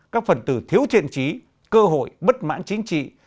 các phần từ thiếu thiện trí cơ hội bất mãn chính trị